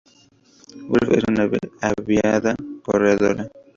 Wolf es una ávida corredora.